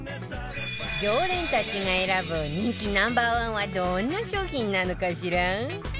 常連たちが選ぶ人気 Ｎｏ．１ はどんな商品なのかしら？